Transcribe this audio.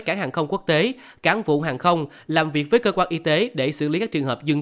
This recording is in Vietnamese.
cảng hàng không quốc tế cán vụ hàng không làm việc với cơ quan y tế để xử lý các trường hợp dương